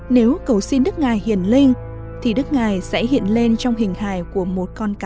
nếu cầu xin nước nga hiền linh thì đức ngài sẽ hiện lên trong hình hài của một con cá